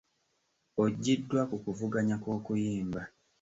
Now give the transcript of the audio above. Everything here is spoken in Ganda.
Oggyiddwa mu kuvuganya kw'okuyimba.